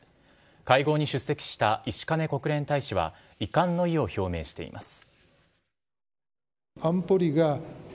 会合に出席した石兼国連大使は遺憾の意を表明しています。